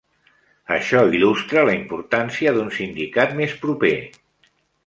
Això il·lustra la importància d'un sindicat més proper.